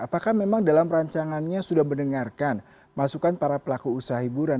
apakah memang dalam rancangannya sudah mendengarkan masukan para pelaku usaha hiburan